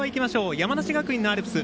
山梨学院のアルプス。